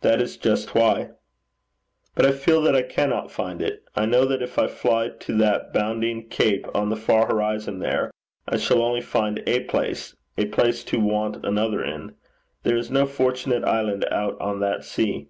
'That is just why.' 'But I feel that I cannot find it. I know that if I fly to that bounding cape on the far horizon there, I shall only find a place a place to want another in. There is no fortunate island out on that sea.'